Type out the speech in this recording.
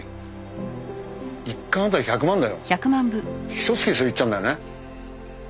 ひと月でそれいっちゃうんだよね。